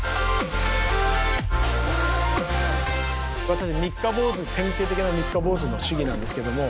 私三日坊主典型的な三日坊主の主義なんですけども。